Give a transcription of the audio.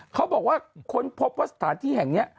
เขาบอกว่าค้นพบว่าสถานที่แห่งนี้